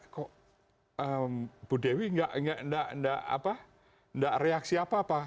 kok bu dewi tidak reaksi apa apa